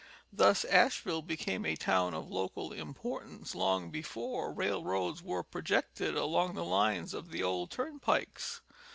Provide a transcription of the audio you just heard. Thus Asheville became a town of local importance long before railroads were projected along the lines of the old turnpikes.